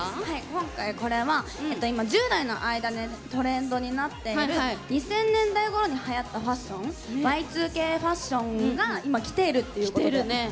今回、これは１０代の間でトレンドになっている２０００年代ごろにはやったファッションＹ２Ｋファッションが今きているっていうことで。